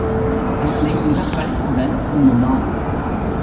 அதனை மிகக் களிப்புடன் உண்ணுமாம்.